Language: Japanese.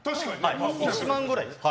１万ぐらいです。